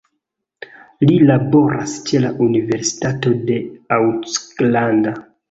Li laboras ĉe la Universitato de Auckland.